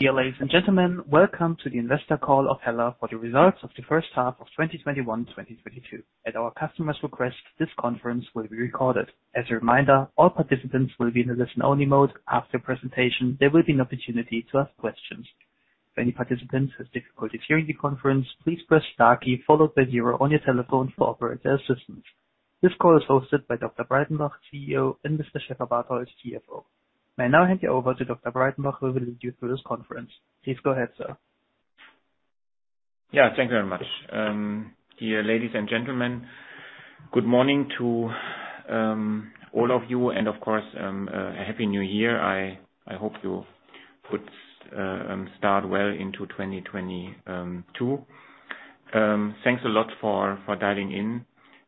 Dear ladies and gentlemen, welcome to the investor call of HELLA for the results of the first half of 2021/2022. At our customer's request, this conference will be recorded. As a reminder, all participants will be in a listen-only mode. After the presentation, there will be an opportunity to ask questions. If any participant has difficulties hearing the conference, please press star key followed by zero on your telephone for operator assistance. This call is hosted by Dr. Breidenbach, CEO, and Mr. Schäferbarthold, CFO. May I now hand you over to Dr. Breidenbach, who will lead you through this conference. Please go ahead, sir. Yeah, thank you very much. Dear ladies and gentlemen, good morning to all of you and, of course, a Happy New Year. I hope you could start well into 2022. Thanks a lot for dialing in,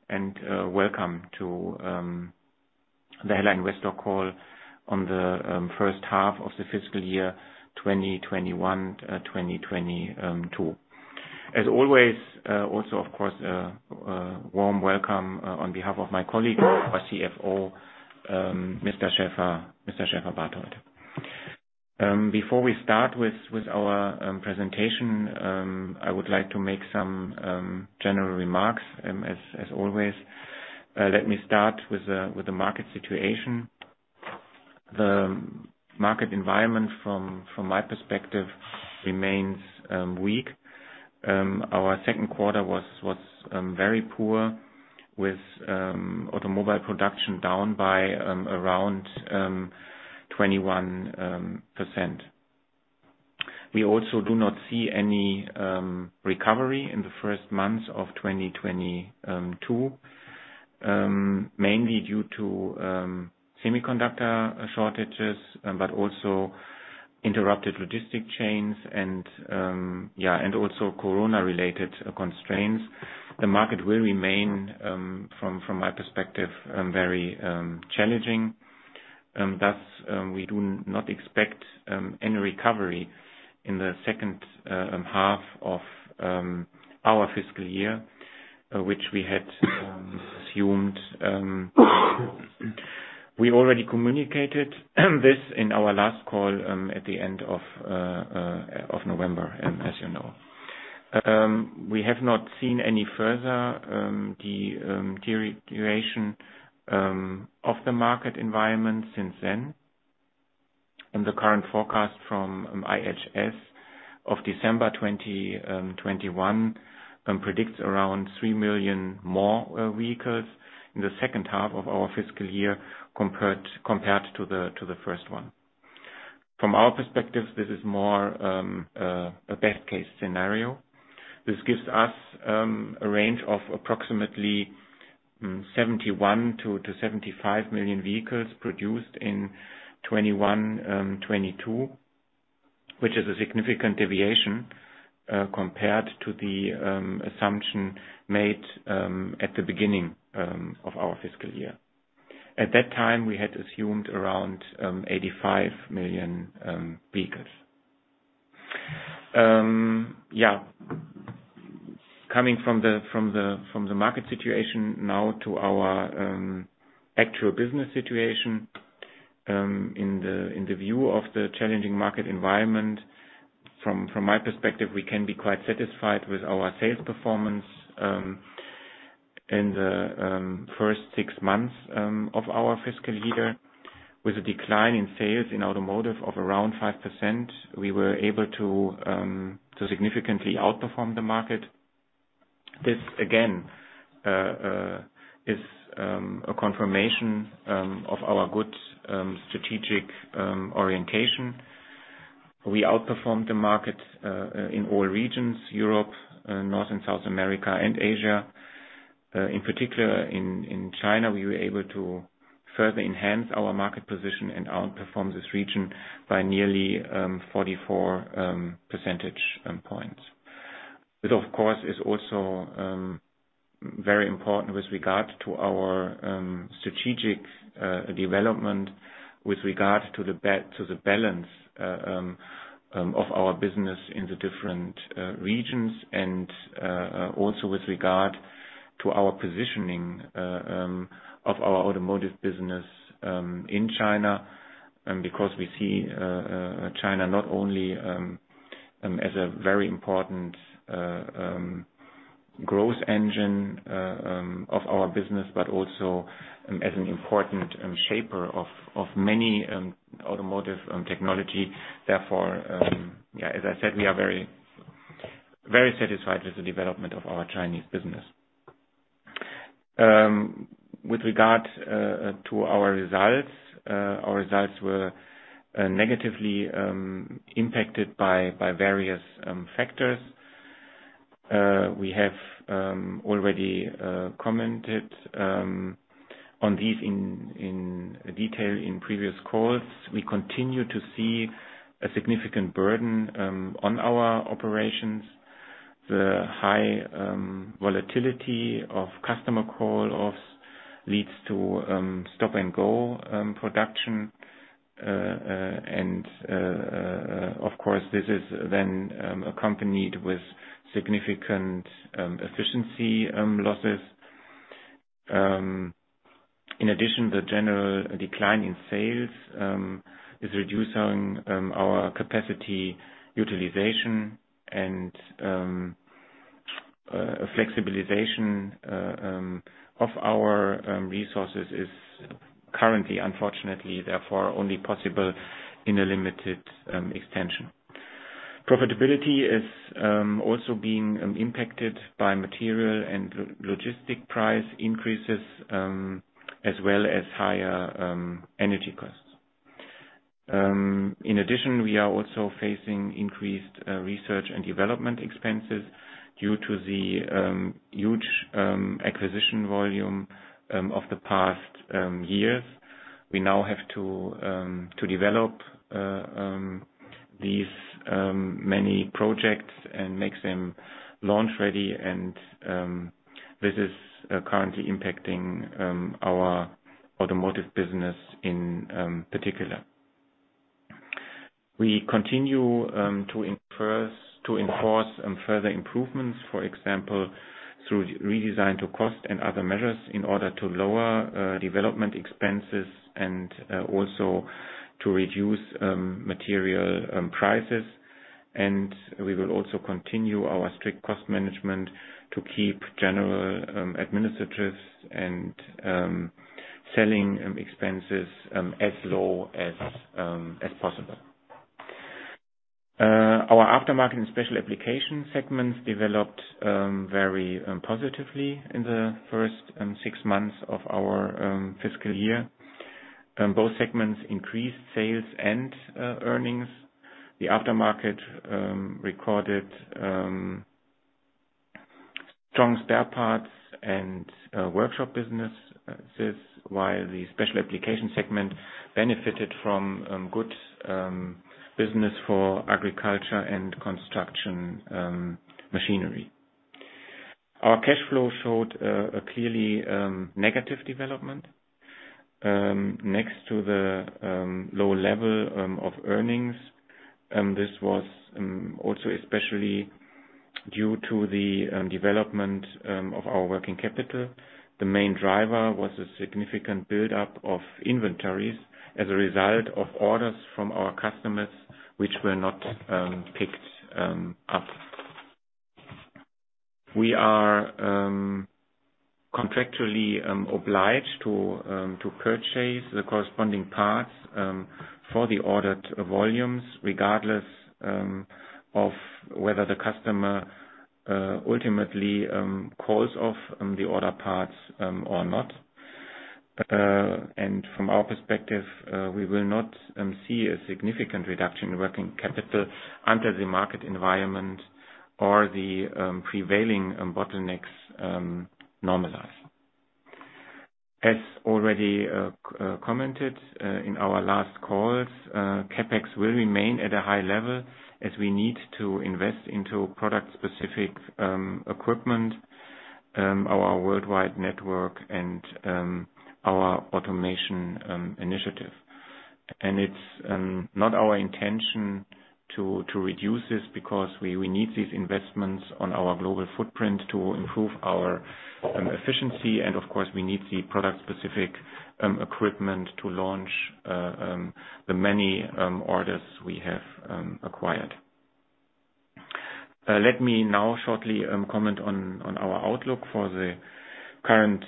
and welcome to the HELLA Investor Call on the first half of the fiscal year 2021/2022. As always, also, of course, a warm welcome on behalf of my colleague, our CFO, Mr. Schäferbarthold. Before we start with our presentation, I would like to make some general remarks, as always. Let me start with the market situation. The market environment from my perspective remains weak. Our second quarter was very poor with automobile production down by around 21%. We also do not see any recovery in the first months of 2022, mainly due to semiconductor shortages, but also interrupted logistic chains and also corona-related constraints. The market will remain, from my perspective, very challenging, thus we do not expect any recovery in the second half of our fiscal year, which we had assumed. We already communicated this in our last call at the end of November, as you know. We have not seen any further deterioration of the market environment since then, and the current forecast from IHS of December 2021 predicts around 3 million more vehicles in the second half of our fiscal year compared to the first one. From our perspective, this is more a best-case scenario. This gives us a range of approximately 71 million-75 million vehicles produced in 2021/2022, which is a significant deviation compared to the assumption made at the beginning of our fiscal year. At that time, we had assumed around 85 million vehicles. Coming from the market situation now to our actual business situation, in the view of the challenging market environment, from my perspective, we can be quite satisfied with our sales performance in the first six months of our fiscal year. With a decline in sales in automotive of around 5%, we were able to to significantly outperform the market. This, again, is a confirmation of our good strategic orientation. We outperformed the market in all regions, Europe, North and South America, and Asia. In particular, in China, we were able to further enhance our market position and outperform this region by nearly 44 percentage points. It of course is also very important with regard to our strategic development with regard to the balance of our business in the different regions and also with regard to our positioning of our automotive business in China, because we see China not only as a very important growth engine of our business, but also as an important shaper of many automotive technology. Therefore, as I said, we are very, very satisfied with the development of our Chinese business. With regard to our results, our results were negatively impacted by various factors. We have already commented on these in detail in previous calls. We continue to see a significant burden on our operations. The high volatility of customer call-offs leads to stop-and-go production. Of course, this is then accompanied with significant efficiency losses. In addition, the general decline in sales is reducing our capacity utilization and flexibilization of our resources is currently unfortunately, therefore only possible in a limited extension. Profitability is also being impacted by material and logistic price increases as well as higher energy costs. In addition, we are also facing increased research and development expenses due to the huge acquisition volume of the past years. We now have to develop these many projects and make them launch ready, and this is currently impacting our automotive business in particular. We continue to enforce further improvements, for example, through redesign to cost and other measures in order to lower development expenses and also to reduce material prices. We will also continue our strict cost management to keep general administrative and selling expenses as low as possible. Our aftermarket and Special Applications segments developed very positively in the first six months of our fiscal year. Both segments increased sales and earnings. The Aftermarket recorded strong spare parts and workshop businesses, while the Special Applications segment benefited from good business for agriculture and construction machinery. Our cash flow showed a clearly negative development next to the low level of earnings, and this was also especially due to the development of our working capital. The main driver was a significant build-up of inventories as a result of orders from our customers, which were not picked up. We are contractually obliged to purchase the corresponding parts for the ordered volumes, regardless of whether the customer ultimately calls off on the order parts or not. From our perspective, we will not see a significant reduction in working capital until the market environment or the prevailing bottlenecks normalize. As already commented in our last calls, CapEx will remain at a high level as we need to invest into product-specific equipment, our worldwide network and our automation initiative. It's not our intention to reduce this because we need these investments on our global footprint to improve our efficiency. Of course, we need the product-specific equipment to launch the many orders we have acquired. Let me now shortly comment on our outlook for the current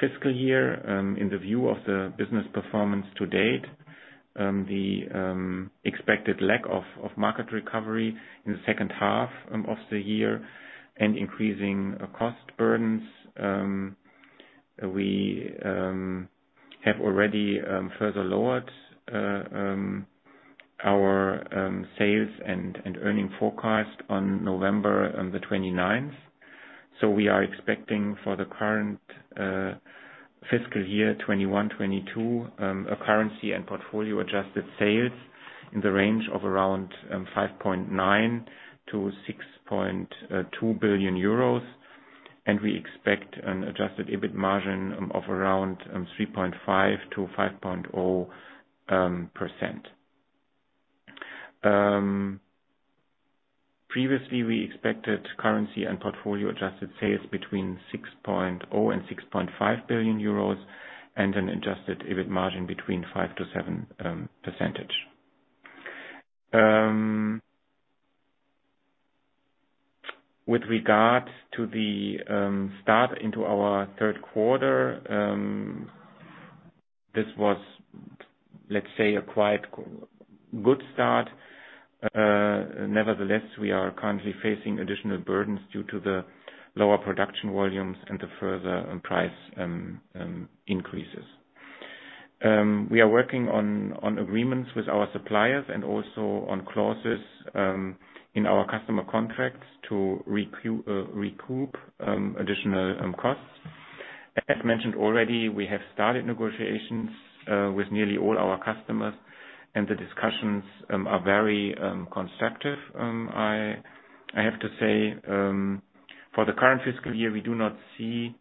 fiscal year in the view of the business performance to date, the expected lack of market recovery in the second half of the year and increasing cost burdens. We have already further lowered our sales and earnings forecast on November the 29th. We are expecting for the current fiscal year 2021/2022 a currency and portfolio-adjusted sales in the range of around 5.9 billion-6.2 billion euros. We expect an adjusted EBIT margin of around 3.5%-5.0%. Previously, we expected currency and portfolio-adjusted sales between 6.0 billion and 6.5 billion euros and an adjusted EBIT margin between 5%-7%. With regard to the start into our third quarter, this was, let's say, a quite good start. Nevertheless, we are currently facing additional burdens due to the lower production volumes and the further price increases. We are working on agreements with our suppliers and also on clauses in our customer contracts to recoup additional costs. As mentioned already, we have started negotiations with nearly all our customers, and the discussions are very constructive. I have to say, for the current fiscal year, we do not see.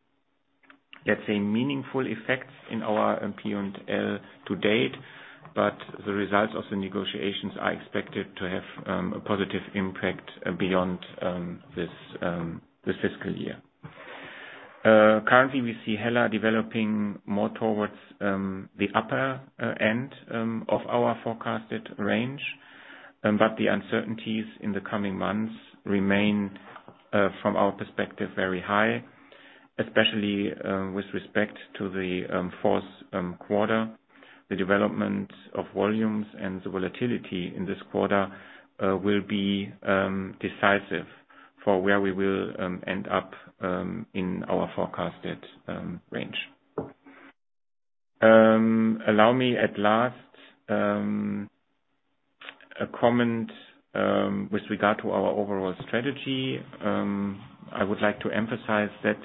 Let's say, meaningful effects in our P&L to date, but the results of the negotiations are expected to have a positive impact beyond this fiscal year. Currently we see HELLA developing more towards the upper end of our forecasted range, but the uncertainties in the coming months remain, from our perspective, very high, especially with respect to the fourth quarter. The development of volumes and the volatility in this quarter will be decisive for where we will end up in our forecasted range. Allow me at last a comment with regard to our overall strategy. I would like to emphasize that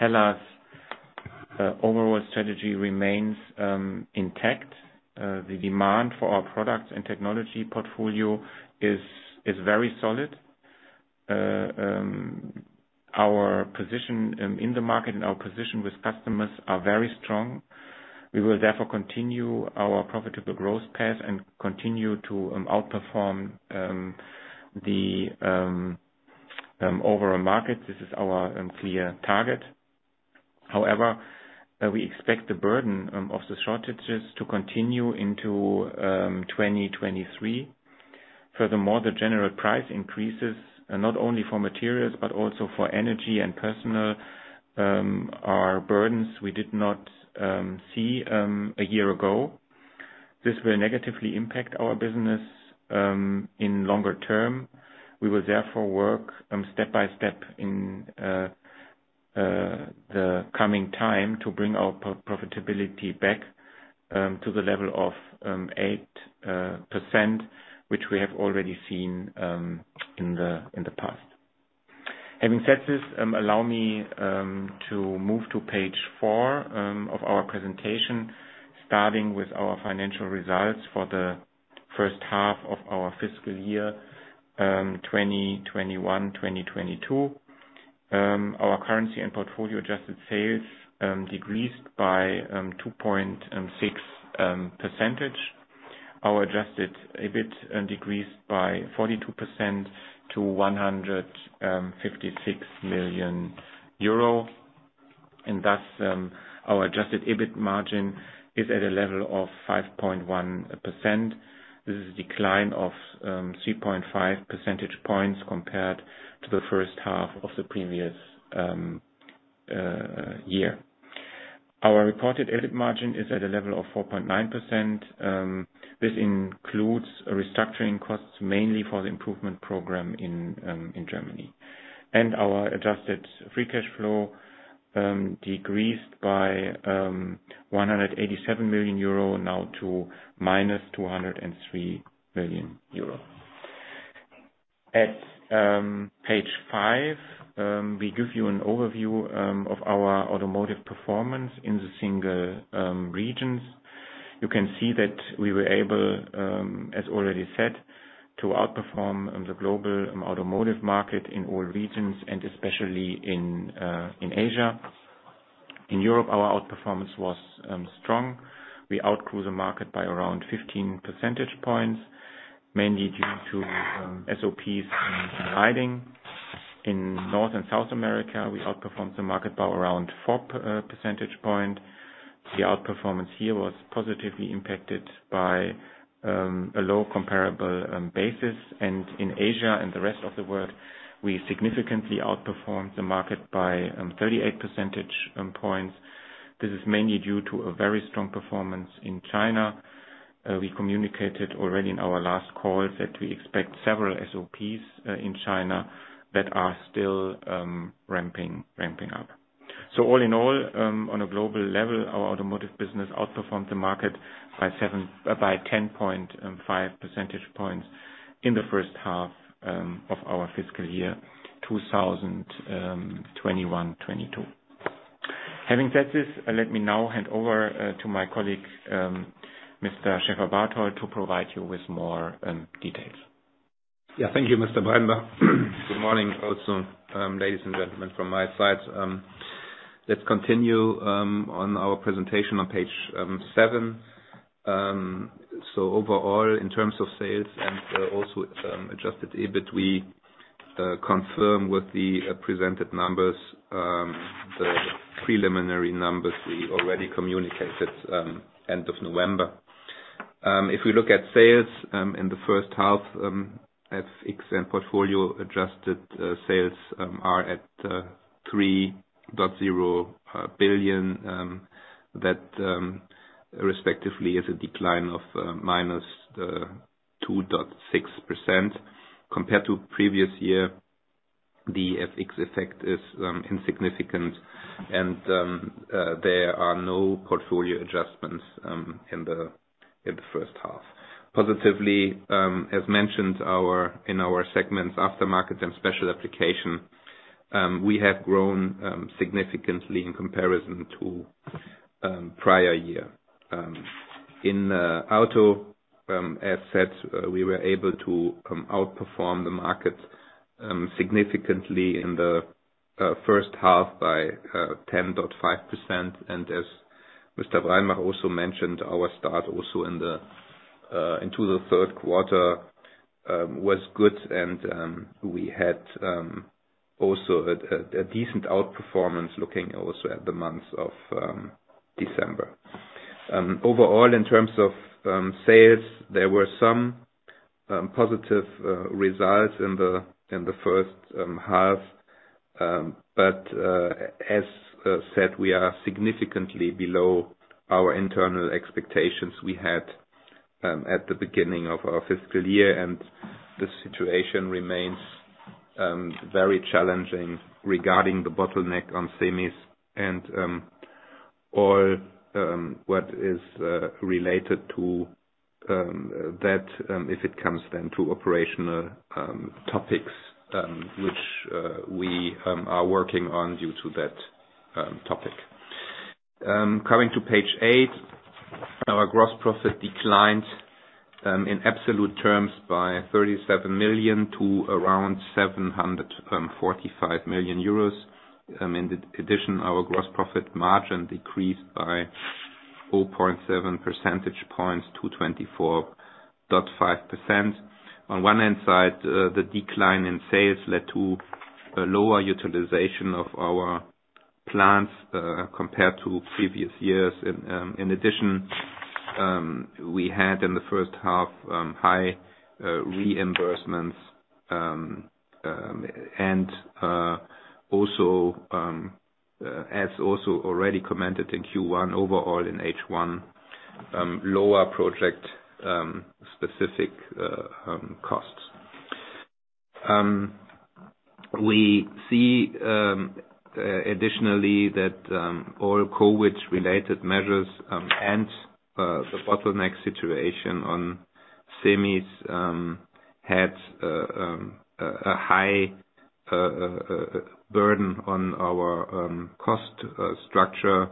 HELLA's overall strategy remains intact. The demand for our products and technology portfolio is very solid. Our position in the market and our position with customers are very strong. We will therefore continue our profitable growth path and continue to outperform the overall market. This is our clear target. However, we expect the burden of the shortages to continue into 2023. Furthermore, the general price increases, not only for materials, but also for energy and personnel, are burdens we did not see a year ago. This will negatively impact our business in the longer term. We will therefore work step by step in the coming time to bring our profitability back to the level of 8%, which we have already seen in the past. Having said this, allow me to move to page four of our presentation, starting with our financial results for the first half of our fiscal year 2021/2022. Our currency and portfolio-adjusted sales decreased by 2.6%. Our adjusted EBIT decreased by 42% to 156 million euro. Thus, our adjusted EBIT margin is at a level of 5.1%. This is a decline of 3.5 percentage points compared to the first half of the previous year. Our reported EBIT margin is at a level of 4.9%. This includes restructuring costs, mainly for the improvement program in Germany. Our adjusted free cash flow decreased by 187 million euro, now to -203 million euro. On page five, we give you an overview of our automotive performance in the single regions. You can see that we were able, as already said, to outperform on the global automotive market in all regions and especially in Asia. In Europe, our outperformance was strong. We outgrew the market by around 15 percentage points, mainly due to SOPs in lighting. In North and South America, we outperformed the market by around 4 percentage point. The outperformance here was positively impacted by a low comparable basis. In Asia and the rest of the world, we significantly outperformed the market by 38 percentage points. This is mainly due to a very strong performance in China. We communicated already in our last call that we expect several SOPs in China that are still ramping up. All in all, on a global level, our automotive business outperformed the market by 10.5 percentage points in the first half of our fiscal year 2021/2022. Having said this, let me now hand over to my colleague, Mr. Schäferbarthold, to provide you with more details. Yeah. Thank you, Mr. Breidenbach. Good morning also, ladies and gentlemen, from my side. Let's continue on our presentation on page seven. Overall, in terms of sales and also adjusted EBIT, we confirm with the presented numbers the preliminary numbers we already communicated end of November. If we look at sales in the first half, FX and portfolio-adjusted sales are at 3.0 billion, that respectively is a decline of -2.6%. Compared to previous year, the FX effect is insignificant and there are no portfolio adjustments in the first half. Positively, as mentioned, in our segments aftermarket and Special Applications, we have grown significantly in comparison to prior year. In auto assets, we were able to outperform the market significantly in the first half by 10.5%. As Mr. Breidenbach also mentioned, our start also into the third quarter was good and we had also a decent outperformance looking also at the month of December. Overall in terms of sales, there were some positive results in the first half. As said, we are significantly below our internal expectations we had at the beginning of our fiscal year, and the situation remains very challenging regarding the bottleneck on semis and all what is related to that if it comes then to operational topics which we are working on due to that topic. Coming to page eight, our gross profit declined in absolute terms by 37 million to around 745 million euros. In addition, our gross profit margin decreased by 4.7 percentage points to 24.5%. On one hand side, the decline in sales led to a lower utilization of our plants compared to previous years. In addition, we had in the first half high reimbursements and also, as also already commented in Q1 overall in H1, lower project specific costs. We see additionally that all COVID-related measures and the bottleneck situation on semis had a high burden on our cost structure.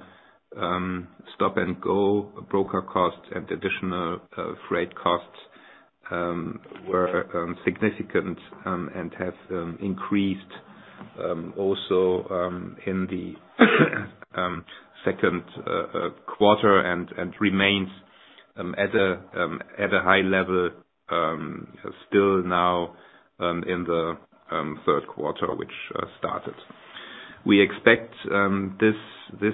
Stop-and-go broker costs and additional freight costs were significant and have increased also in the second quarter and remains at a high level still now in the third quarter which started. We expect this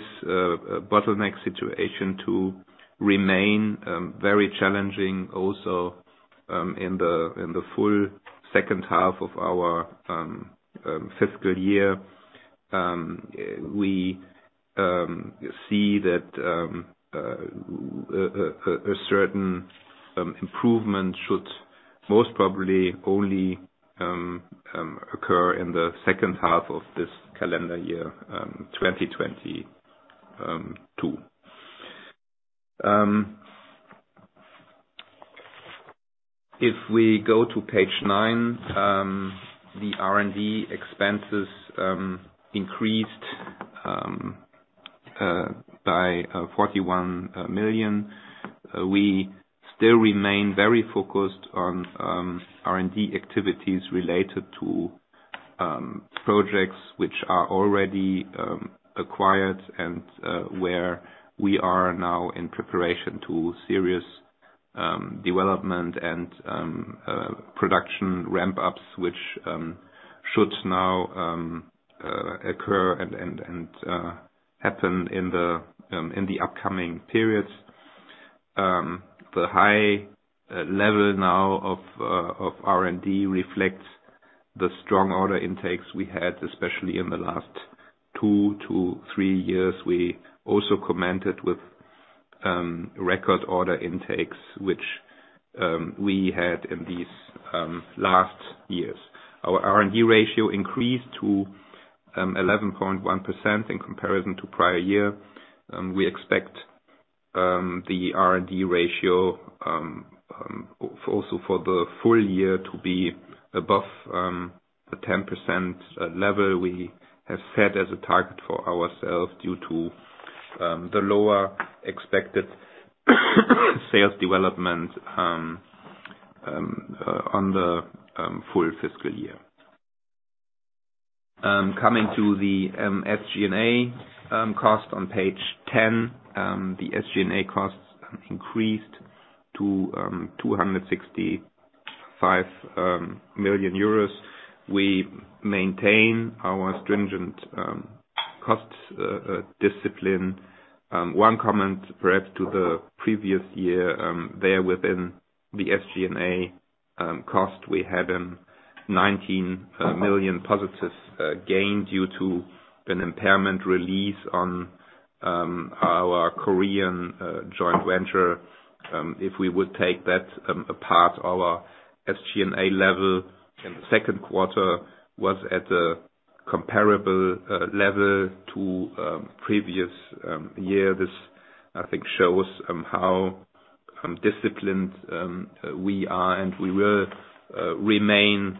bottleneck situation to remain very challenging also in the full second half of our fiscal year. We see that a certain improvement should most probably only occur in the second half of this calendar year, 2022. If we go to page nine, the R&D expenses increased by 41 million. We still remain very focused on R&D activities related to projects which are already acquired and where we are now in preparation for series development and production ramp-ups, which should now occur and happen in the upcoming periods. The high level now of R&D reflects the strong order intakes we had, especially in the last two to three years. We also commented with record order intakes, which we had in these last years. Our R&D ratio increased to 11.1% in comparison to prior year. We expect the R&D ratio also for the full year to be above the 10% level we have set as a target for ourselves due to the lower expected sales development on the full fiscal year. Coming to the SG&A cost on page 10. The SG&A costs increased to 265 million euros. We maintain our stringent cost discipline. One comment perhaps to the previous year, there within the SG&A cost, we had 19 million positive gain due to an impairment release on our Korean joint venture. If we would take that apart, our SG&A level in the second quarter was at a comparable level to previous year. This, I think, shows how disciplined we are and we will remain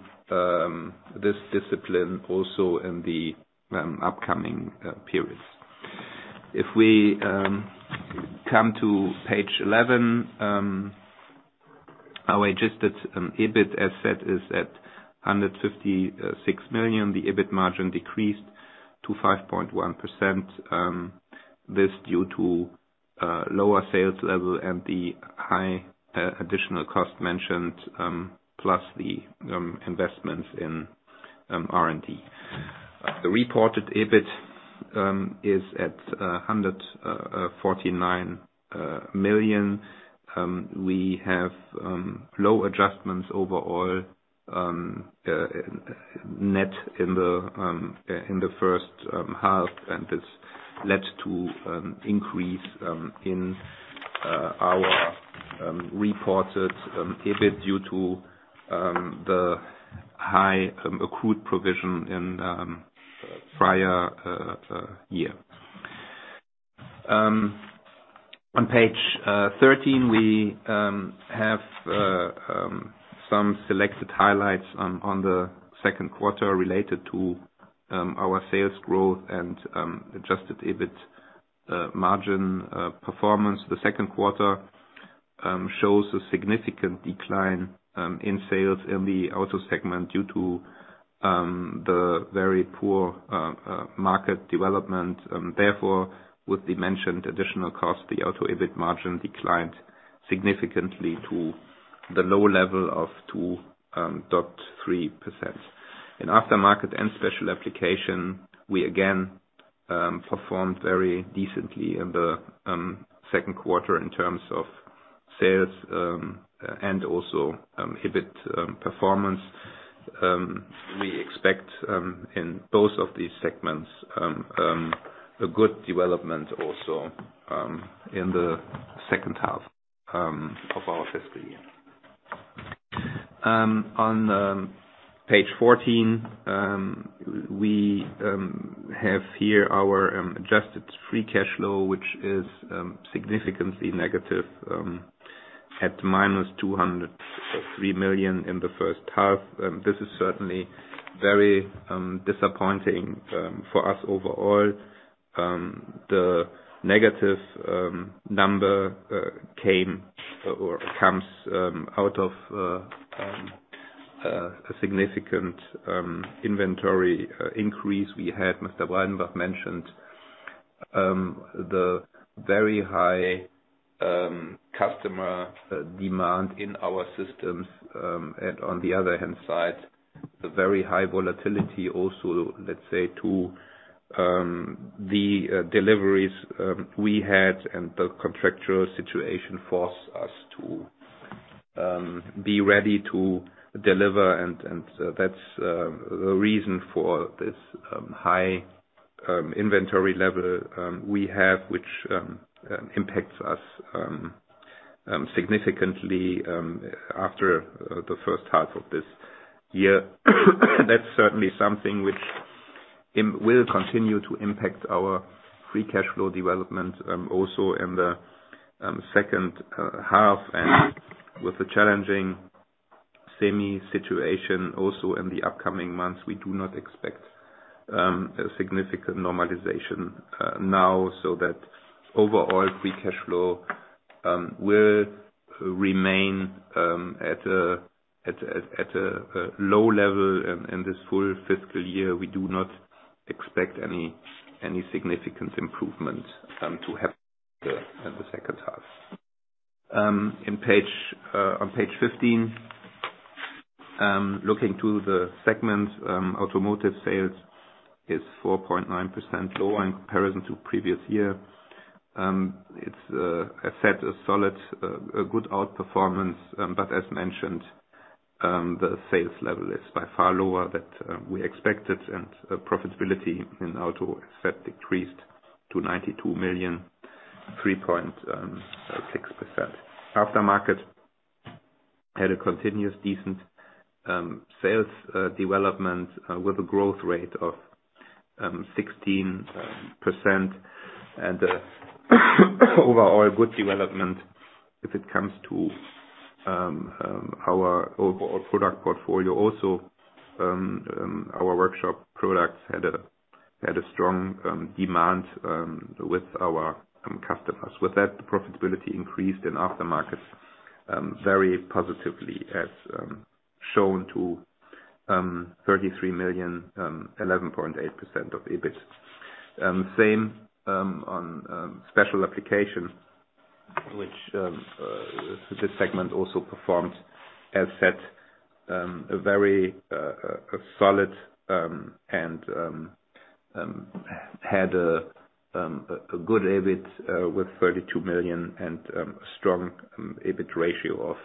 this discipline also in the upcoming periods. If we come to page 11, our adjusted EBIT as said is at 156 million. The EBIT margin decreased to 5.1%. This due to lower sales level and the high additional cost mentioned plus the investments in R&D. The reported EBIT is at 149 million. We have low adjustments overall net in the first half and it's led to increase in our reported EBIT due to the high accrued provision in prior year. On page 13, we have some selected highlights on the second quarter related to our sales growth and adjusted EBIT margin performance. The second quarter shows a significant decline in sales in the auto segment due to the very poor market development. Therefore, with the mentioned additional cost, the auto EBIT margin declined significantly to the low level of 2.3%. In Aftermarket and Special Applications, we again performed very decently in the second quarter in terms of sales and also EBIT performance. We expect in both of these segments a good development also in the second half of our fiscal year. On page 14, we have here our adjusted free cash flow, which is significantly negative at -203 million in the first half. This is certainly very disappointing for us overall. The negative number came or comes out of a significant inventory increase we had, Mr. Breidenbach mentioned. The very high customer demand in our systems and on the other hand side, the very high volatility also, let's say, to the deliveries we had and the contractual situation force us to be ready to deliver and that's the reason for this high inventory level we have, which impacts us significantly after the first half of this year. That's certainly something which will continue to impact our free cash flow development also in the second half. With the challenging semi situation also in the upcoming months, we do not expect a significant normalization now, so that overall free cash flow will remain at a low level in this full fiscal year. We do not expect any significant improvement to happen in the second half. On page 15, looking at the segment, Automotive sales is 4.9% lower in comparison to previous year. It is a solid, good outperformance, but as mentioned, the sales level is by far lower than we expected and profitability in auto as said decreased to 92 million, 3.6%. Aftermarket had a continuous decent sales development with a growth rate of 16%. Overall good development when it comes to our overall product portfolio. Also, our workshop products had a strong demand with our customers. With that, the profitability increased in aftermarket very positively as shown to 33 million, 11.8% of EBIT. Same on Special Applications, which this segment also performed as said a very solid and had a good EBIT with 32 million and a strong EBIT ratio of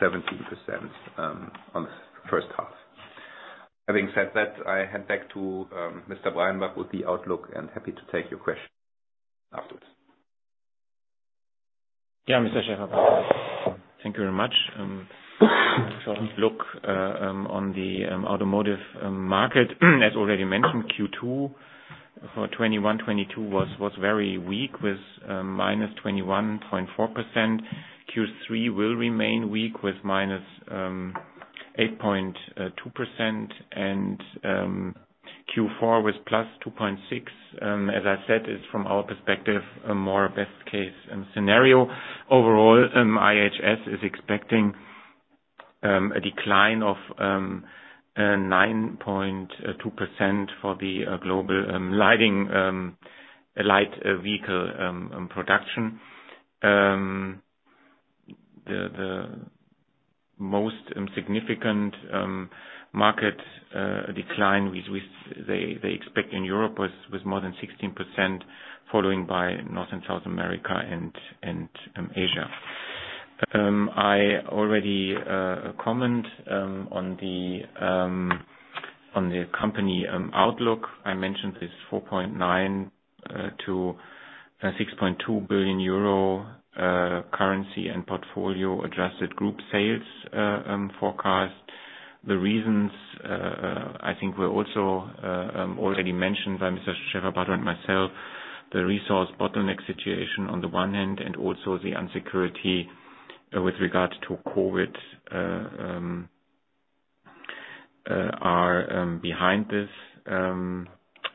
17% on the first half. Having said that, I hand back to Mr. Breidenbach with the outlook and happy to take your questions afterwards. Yeah, Mr. Schäferbarthold. Thank you very much. Look, on the automotive market as already mentioned, Q2 for 2021/2022 was very weak with -21.4%. Q3 will remain weak with -8.2% and Q4 with +2.6%. As I said, is from our perspective, a more best case scenario. Overall, IHS is expecting a decline of 9.2% for the global light vehicle production. The most significant market decline which they expect in Europe was more than 16%, followed by North and South America and Asia. I already comment on the company outlook. I mentioned this 4.9 billion-6.2 billion euro currency and portfolio adjusted group sales forecast. The reasons I think were also already mentioned by Mr. Schäferbarthold and myself. The resource bottleneck situation on the one hand, and also the uncertainty with regards to COVID are behind this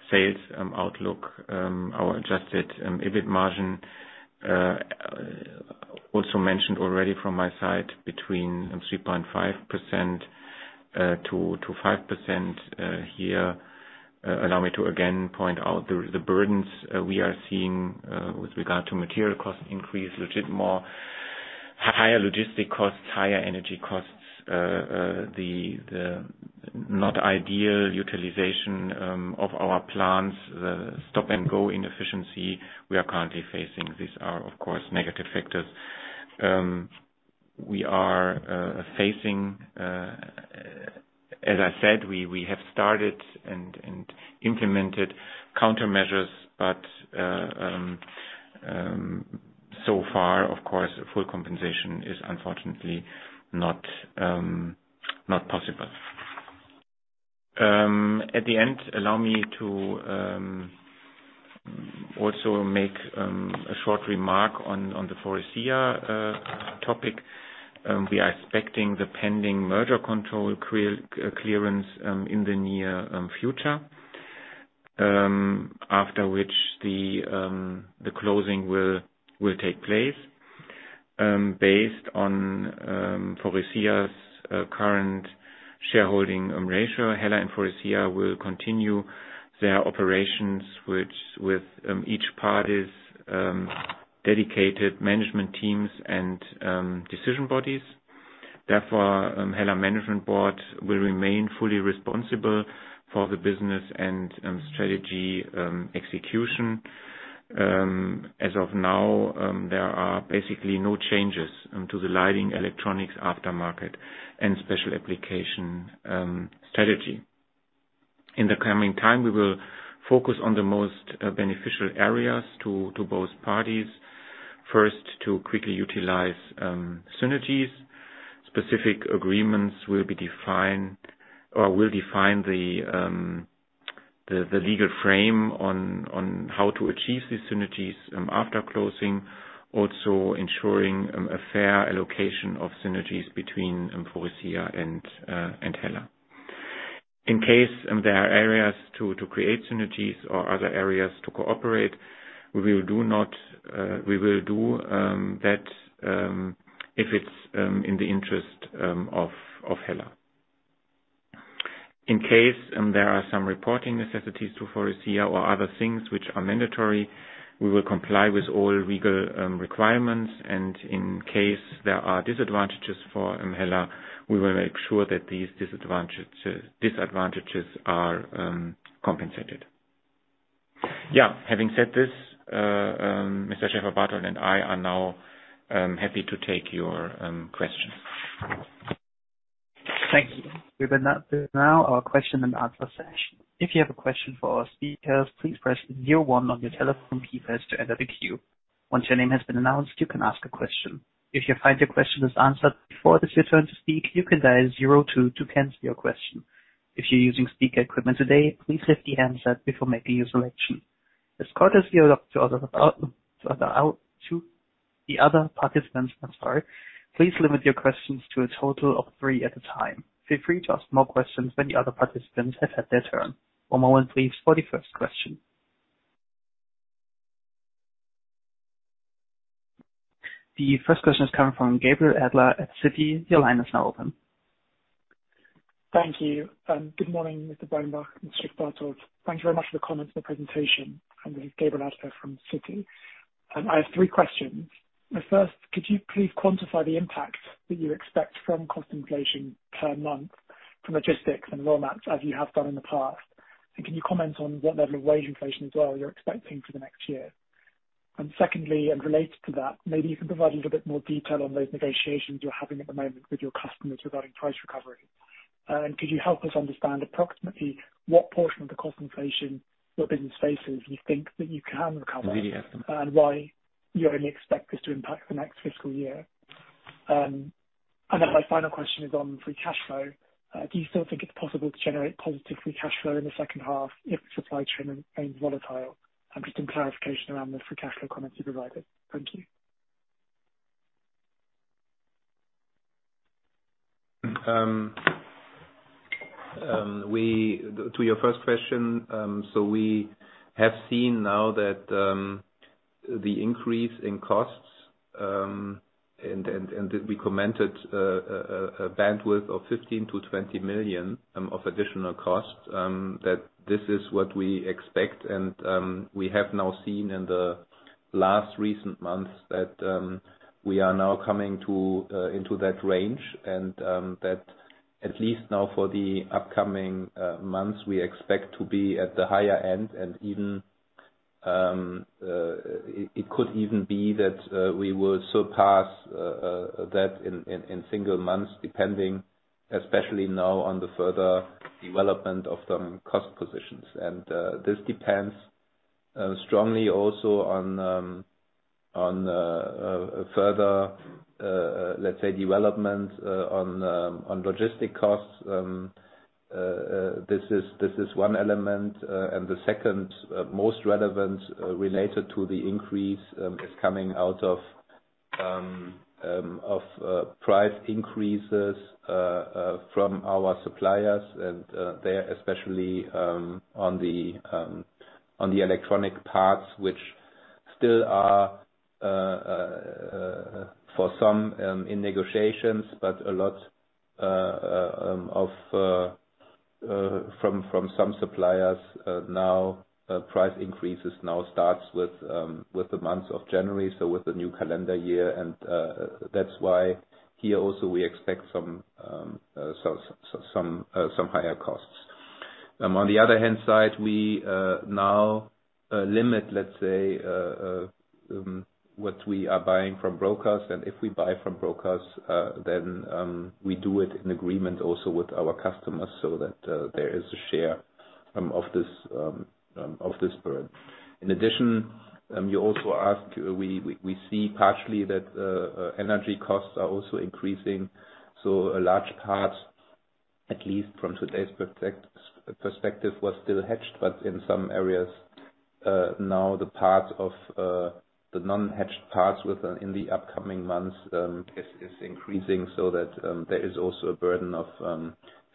sales outlook. Our adjusted EBIT margin also mentioned already from my side between 3.5%-5%. Here, allow me to again point out the burdens we are seeing with regard to material cost increase, legitimately higher logistic costs, higher energy costs, the not ideal utilization of our plants, the stop and go inefficiency we are currently facing. These are of course negative factors. We are facing, as I said, we have started and implemented countermeasures, but so far of course, full compensation is unfortunately not possible. At the end, allow me to also make a short remark on the Faurecia topic. We are expecting the pending merger control clearance in the near future, after which the closing will take place. Based on Faurecia's current shareholding ratio, HELLA and Faurecia will continue their operations, which with each party's dedicated management teams and decision bodies. Therefore, HELLA Management Board will remain fully responsible for the business and strategy execution. As of now, there are basically no changes to the Lighting, Electronics, Aftermarket, and Special Applications strategy. In the coming time, we will focus on the most beneficial areas to both parties. First, to quickly utilize synergies. Specific agreements will be defined or will define the legal frame on how to achieve these synergies after closing. Also ensuring a fair allocation of synergies between Faurecia and HELLA. In case there are areas to create synergies or other areas to cooperate, we will do that if it's in the interest of HELLA. In case there are some reporting necessities to Faurecia or other things which are mandatory, we will comply with all legal requirements, and in case there are disadvantages for HELLA, we will make sure that these disadvantages are compensated. Yeah. Having said this, Mr. Schäferbarthold and I are now happy to take your questions. Thank you. We will now do our question and answer session. If you have a question for our speakers, please press zero-one on your telephone keypads to enter the queue. Once your name has been announced, you can ask a question. If you find your question is answered before it is your turn to speak, you can dial zero-two to cancel your question. If you're using speaker equipment today, please lift the handset before making your selection. As a courtesy to the other participants, please limit your questions to a total of three at a time. Feel free to ask more questions when the other participants have had their turn. One moment please for the first question. The first question is coming from Gabriel Adler at Citi. Your line is now open. Thank you. Good morning, Mr. Breidenbach, Mr. Schäferbarthold. Thank you very much for the comments and the presentation. I'm Gabriel Adler from Citi. I have three questions. The first, could you please quantify the impact that you expect from cost inflation per month from logistics and raw mats as you have done in the past? Can you comment on what level of wage inflation as well you're expecting for the next year? Secondly, and related to that, maybe you can provide a little bit more detail on those negotiations you're having at the moment with your customers regarding price recovery. Could you help us understand approximately what portion of the cost inflation your business faces you think that you can recover and why you only expect this to impact the next fiscal year? My final question is on free cash flow. Do you still think it's possible to generate positive free cash flow in the second half if the supply chain remains volatile? Just some clarification around the free cash flow comments you provided. Thank you. To your first question, so we have seen now that the increase in costs and we commented a bandwidth of 15 million-20 million of additional costs that this is what we expect. We have now seen in the last recent months that we are now coming into that range and that at least now for the upcoming months, we expect to be at the higher end. Even it could even be that we will surpass that in single months, depending especially now on the further development of the cost positions. This depends strongly also on further, let's say, development on logistic costs. This is one element. The second most relevant related to the increase is coming out of price increases from our suppliers, and there especially on the electronic parts, which still are for some in negotiations. A lot from some suppliers price increases starts with the month of January, so with the new calendar year. That's why here also we expect some higher costs. On the other hand side, we now limit, let's say, what we are buying from brokers. If we buy from brokers, then we do it in agreement also with our customers so that there is a share of this burden. In addition, you also ask, we see partially that energy costs are also increasing. A large part, at least from today's perspective, was still hedged. In some areas, now the part of the non-hedged parts within the upcoming months is increasing so that there is also a burden of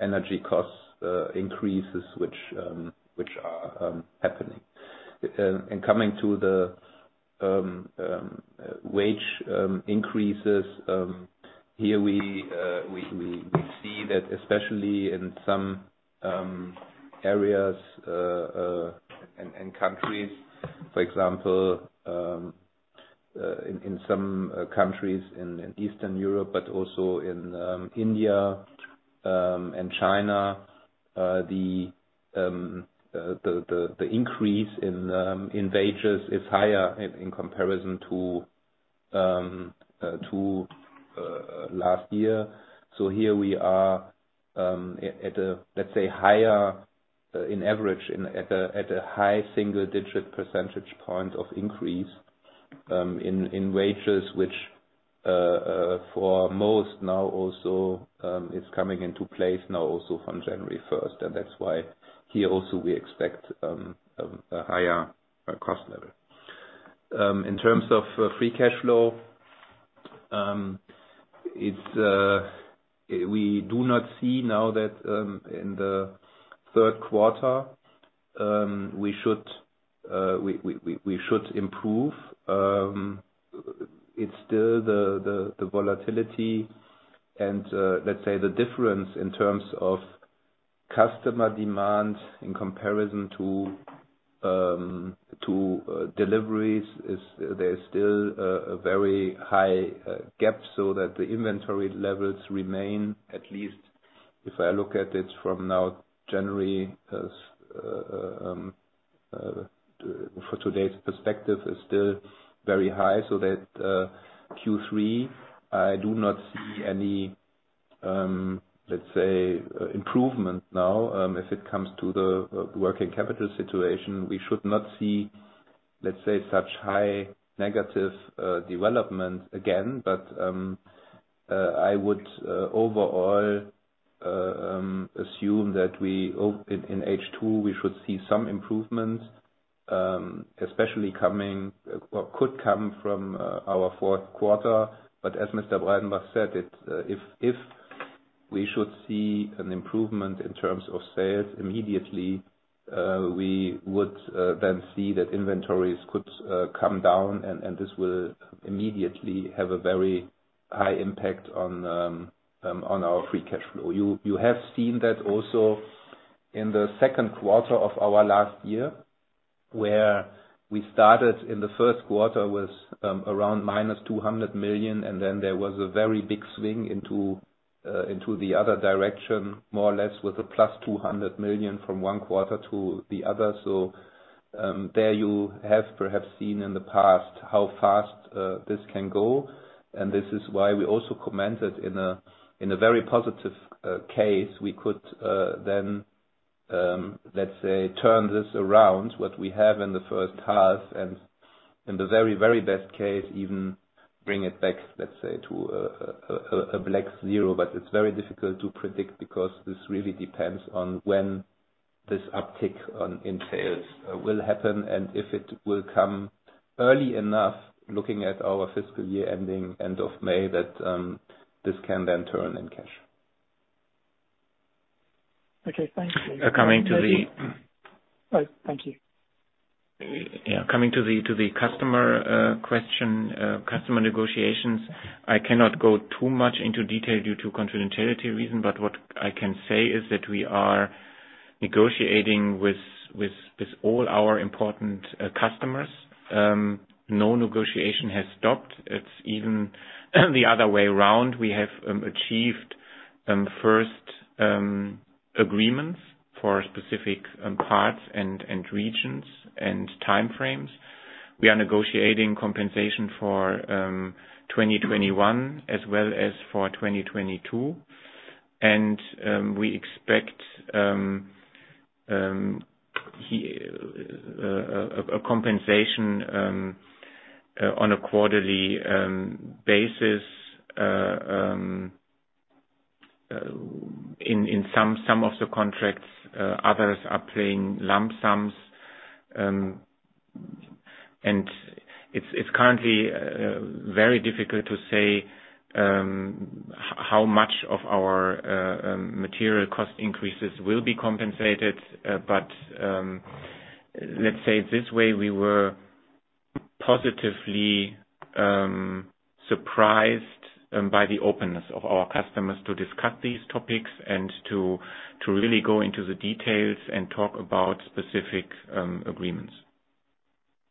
energy costs increases which are happening. Coming to the wage increases, here we see that especially in some areas and countries, for example, in some countries in Eastern Europe, but also in India and China, the increase in wages is higher in comparison to last year. Here we are at a, let's say, higher on average at a high single digit percentage point of increase in wages which for most now also is coming into place now also from January first. That's why here also we expect a higher cost level. In terms of free cash flow, we do not see now that in the third quarter we should improve. It's still the volatility and let's say the difference in terms of customer demand in comparison to deliveries. There's still a very high gap so that the inventory levels remain, at least if I look at it from now, January, for today's perspective, still very high. Q3, I do not see any let's say improvement now. If it comes to the working capital situation, we should not see let's say such high negative development again. I would overall assume that in H2 we should see some improvements, especially coming or could come from our fourth quarter. As Mr. Breidenbach said, if we should see an improvement in terms of sales immediately, we would then see that inventories could come down and this will immediately have a very high impact on our free cash flow. You have seen that also in the second quarter of our last year, where we started in the first quarter with around -200 million. Then there was a very big swing into the other direction, more or less with a 200+ million from one quarter to the other. There you have perhaps seen in the past how fast this can go, and this is why we also commented in a very positive case we could then let's say turn this around, what we have in the first half and in the very, very best case even bring it back, let's say, to a black zero. But it's very difficult to predict because this really depends on when this uptick in sales will happen, and if it will come early enough, looking at our fiscal year ending end of May, that this can then turn into cash. Okay, thank you. Coming to the- All right. Thank you. Yeah. Coming to the customer question, customer negotiations. I cannot go too much into detail due to confidentiality reason, but what I can say is that we are negotiating with all our important customers. No negotiation has stopped. It's even the other way around. We have achieved first agreements for specific parts and regions and timeframes. We are negotiating compensation for 2021 as well as for 2022. We expect a compensation on a quarterly basis in some of the contracts, others are paying lump sums. It's currently very difficult to say how much of our material cost increases will be compensated. Let's say this way, we were positively surprised by the openness of our customers to discuss these topics and to really go into the details and talk about specific agreements.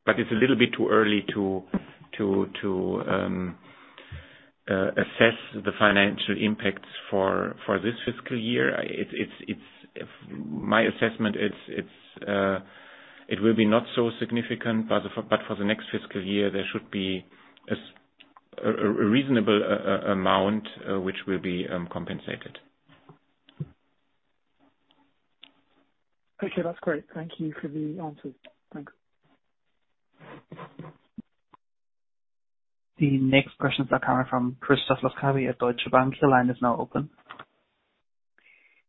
It's a little bit too early to assess the financial impacts for this fiscal year. It's my assessment, it will be not so significant, but for the next fiscal year, there should be a reasonable amount which will be compensated. Okay, that's great. Thank you for the answers. Thank you. The next questions are coming from Christoph Laskawi at Deutsche Bank. Your line is now open.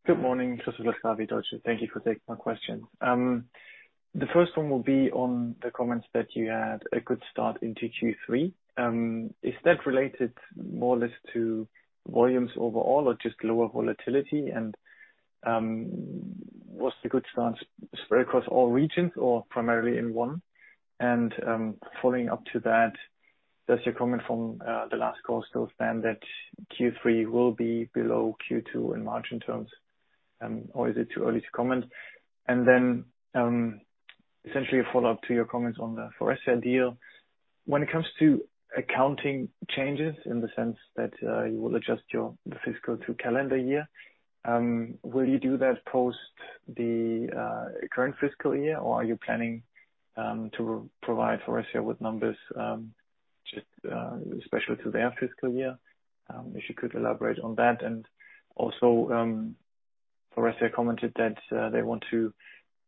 Good morning, Christoph Laskawi, Deutsche. Thank you for taking my question. The first one will be on the comments that you had a good start into Q3. Is that related more or less to volumes overall or just lower volatility? Was the good start spread across all regions or primarily in one? Following up to that, does your comment from the last call still stand that Q3 will be below Q2 in margin terms, or is it too early to comment? Essentially a follow-up to your comments on the Faurecia deal. When it comes to accounting changes in the sense that you will adjust your the fiscal to calendar year, will you do that post the current fiscal year, or are you planning to provide Faurecia with numbers just especially to their fiscal year? If you could elaborate on that. Faurecia commented that they want to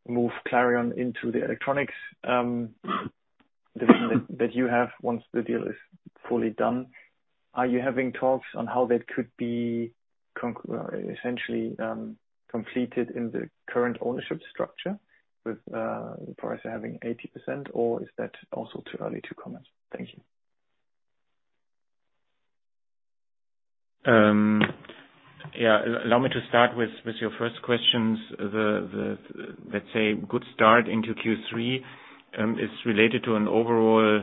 move Clarion into the electronics division that you have once the deal is fully done. Are you having talks on how that could be essentially completed in the current ownership structure with Faurecia having 80%, or is that also too early to comment? Thank you. Allow me to start with your first questions. Let's say, good start into Q3 is related to an overall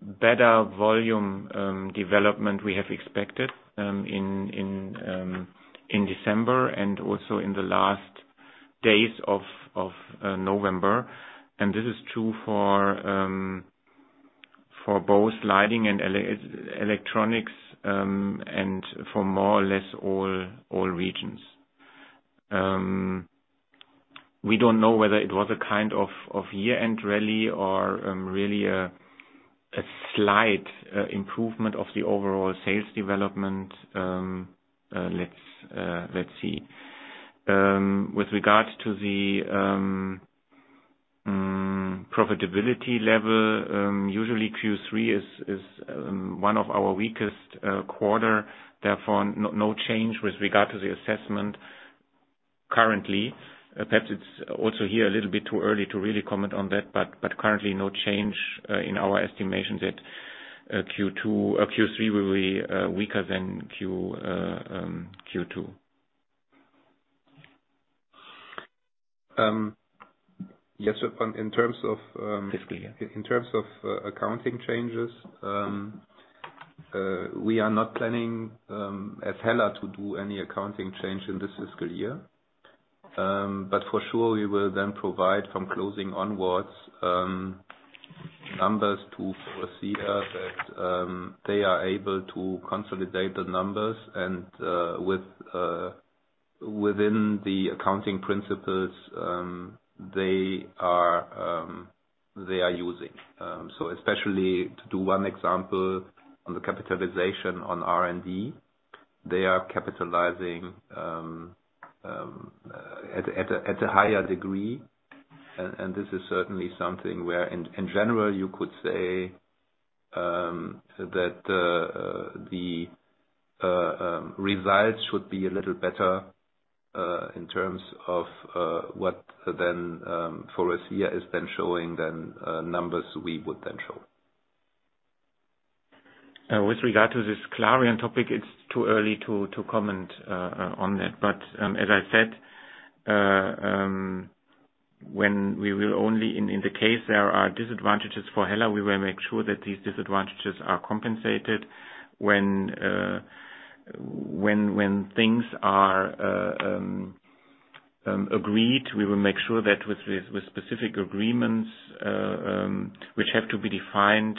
better volume development we have expected in December and also in the last days of November. This is true for both Lighting and Electronics and for more or less all regions. We don't know whether it was a kind of year-end rally or really a slight improvement of the overall sales development. Let's see. With regards to the profitability level, usually Q3 is one of our weakest quarter, therefore no change with regard to the assessment currently. Perhaps it's also here a little bit too early to really comment on that, but currently no change in our estimations that Q2 or Q3 will be weaker than Q2. Yes, in terms of. Fiscal year. In terms of accounting changes, we are not planning at HELLA to do any accounting change in this fiscal year. For sure, we will then provide from closing onwards numbers to Faurecia that they are able to consolidate the numbers and within the accounting principles they are using. Especially to do one example on the capitalization on R&D, they are capitalizing at a higher degree. This is certainly something where in general you could say that the results should be a little better in terms of what then Faurecia is then showing than numbers we would then show. With regard to this Clarion topic, it's too early to comment on that. As I said, when only in the case there are disadvantages for HELLA, we will make sure that these disadvantages are compensated. When things are agreed, we will make sure that with specific agreements which have to be defined,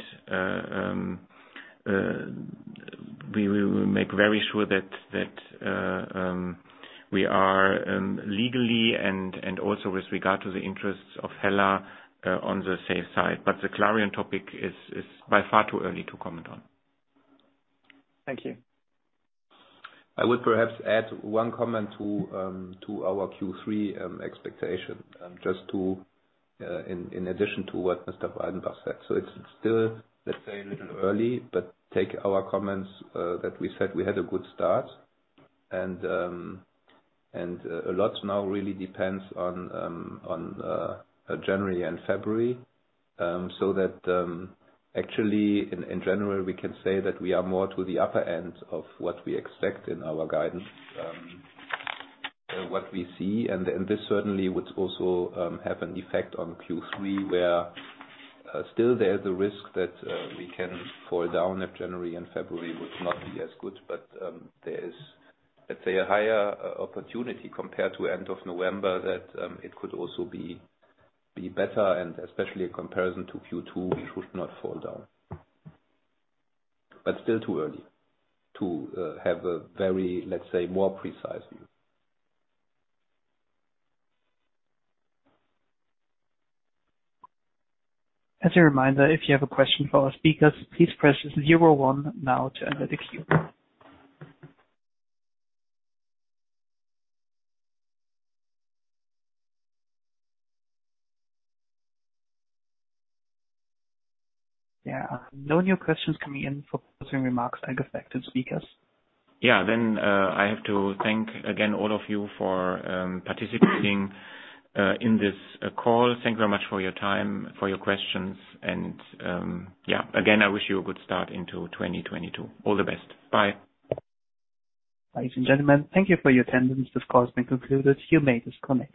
we will make very sure that we are legally and also with regard to the interests of HELLA on the safe side. The Clarion topic is by far too early to comment on. Thank you. I would perhaps add one comment to our Q3 expectation, just in addition to what Mr. Breidenbach said. It's still, let's say, a little early, but take our comments that we said we had a good start and a lot now really depends on January and February. Actually, in general, we can say that we are more to the upper end of what we expect in our guidance. What we see and this certainly would also have an effect on Q3, where still there's a risk that we can fall down if January and February would not be as good. there is, let's say, a higher opportunity compared to end of November that it could also be better and especially in comparison to Q2, we should not fall down. Still too early to have a very, let's say, more precise view. As a reminder, if you have a question for our speakers, please press zero one now to enter the queue. There are no new questions coming in for closing remarks. Thank you, speakers. Yeah. I have to thank again all of you for participating in this call. Thank you very much for your time, for your questions and, yeah, again, I wish you a good start into 2022. All the best. Bye. Ladies and gentlemen, thank you for your attendance. This call has been concluded. You may disconnect.